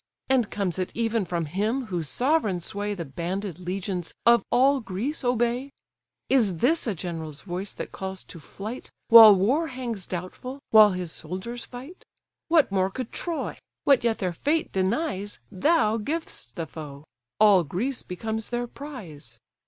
And comes it even from him whose sovereign sway The banded legions of all Greece obey? Is this a general's voice that calls to flight, While war hangs doubtful, while his soldiers fight? What more could Troy? What yet their fate denies Thou givest the foe: all Greece becomes their prize.